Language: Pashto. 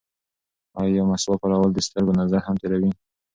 ایا مسواک کارول د سترګو نظر هم تېروي؟